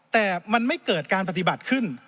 แต่มันไม่เกิดการปฏิบัติขึ้น